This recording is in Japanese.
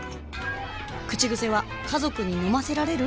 口癖は「家族に飲ませられる？」